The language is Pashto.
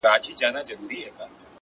چي وايي _